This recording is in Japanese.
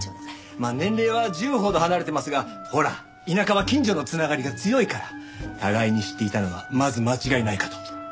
まあ年齢は１０ほど離れてますがほら田舎は近所の繋がりが強いから互いに知っていたのはまず間違いないかと。